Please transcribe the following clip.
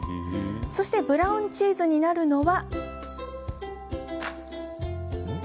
そしてブラウンチーズになるのは。